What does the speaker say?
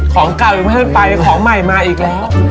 ของเก่าอีกไม่เท่านั้นไปของใหม่มาอีกแล้ว